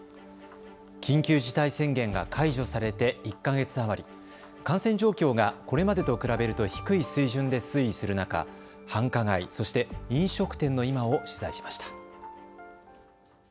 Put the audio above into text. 緊急事態宣言が解除されて１か月余り、感染状況がこれまでと比べると低い水準で推移する中、繁華街、そして飲食店の今を取材しました。